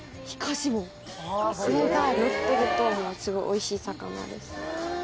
これがのってるとすごいおいしい魚です。